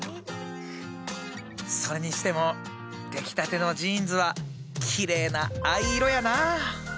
それにしても出来たてのジーンズはきれいな藍色やなあ。